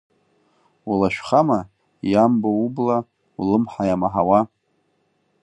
Улашәхама, иамбо убла, улымҳа иамаҳауа…